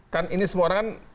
kan ini semua orang kan